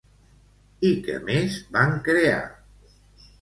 I què més van crear?